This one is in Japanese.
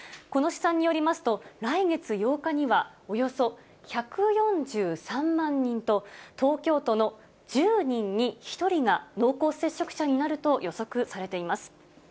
この試算によりますと、来月８日には、およそ１４３万人と、東京都の１０人に１人が濃厚接触者になると予測されています。